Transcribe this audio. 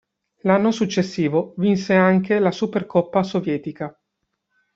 L'anno successivo vinse anche la Supercoppa sovietica.